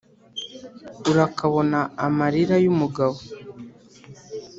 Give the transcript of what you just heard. Urakabona amalira y'umugabo